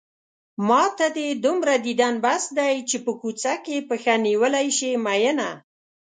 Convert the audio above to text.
ماته دې دومره ديدن بس دی چې په کوڅه کې پښه نيولی شې مينه